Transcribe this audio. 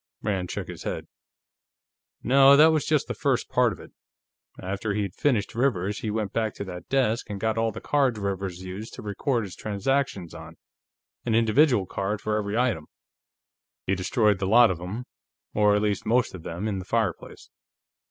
Rand shook his head. "No, that was just the first part of it. After he'd finished Rivers, he went back to that desk and got all the cards Rivers used to record his transactions on an individual card for every item. He destroyed the lot of them, or at least most of them, in the fireplace.